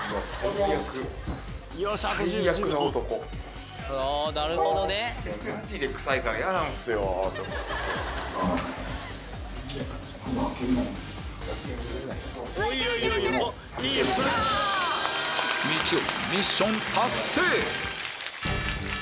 みちおミッション達成！